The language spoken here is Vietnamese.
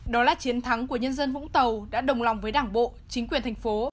đó là chiến thắng của nhân dân vũng tàu đã đồng lòng với đảng bộ chính quyền thành phố